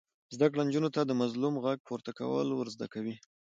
زده کړه نجونو ته د مظلوم غږ پورته کول ور زده کوي.